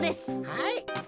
はい。